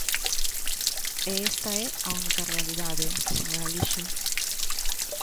E esta é a única realidade, señor Alixo.